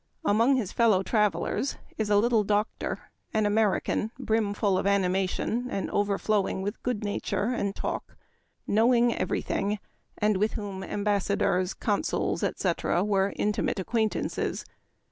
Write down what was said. Among his fellow travelers is a " little doctor," an American, brimful of anima tion, and overflowing with good nature and talk, knowing every thing, and with whom embassa dors, consuls, etc., were intimate acquaintances.